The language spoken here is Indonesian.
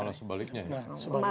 kalau sebaliknya ya